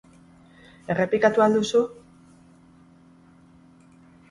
Errepikatu ahal duzu?